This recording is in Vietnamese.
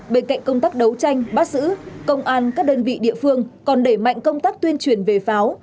bên cạnh công tác đấu tranh bắt giữ công an các đơn vị địa phương còn đẩy mạnh công tác tuyên truyền về pháo